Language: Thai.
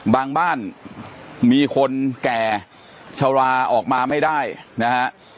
บ้านมีคนแก่ชะลาออกมาไม่ได้นะฮะ